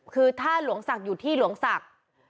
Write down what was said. คือถ้าหลวงศักดิ์อยู่ที่หลวงศักดิ์